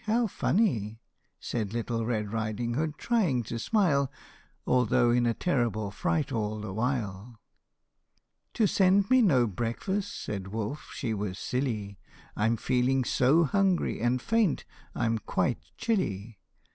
How funny !" Said Little Red Riding Hood, trying to smile, Although in a terrible fright all the while. " To send me no breakfast," said wolf, " she was silly ; I 'm feeling so hungry and faint, I 'm quite chilly.